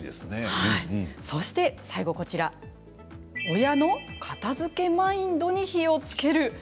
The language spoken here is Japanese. そして最後親の片づけマインドに火をつける。